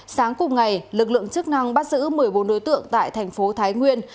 sáng cùng ngày lực lượng chức năng bắt giữ một mươi bốn đối tượng tại thành phố thái nguyên